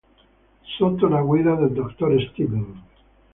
Sotto la guida del dottor Steven.